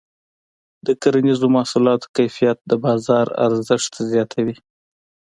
د کرنیزو محصولاتو کیفیت د بازار ارزښت زیاتوي.